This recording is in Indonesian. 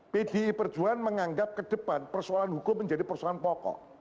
pdi perjuan menganggap kedepan persoalan hukum menjadi persoalan pokok